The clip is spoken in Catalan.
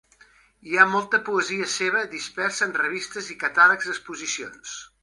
Hi ha molta poesia seva dispersa en revistes i catàlegs d'exposicions.